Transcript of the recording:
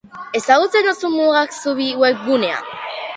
Ezagutzen duzu mugak zubi webgunea?